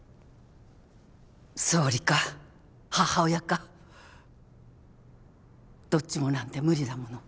総理か母親かどっちもなんて無理だもの。